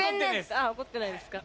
あ怒ってないですか。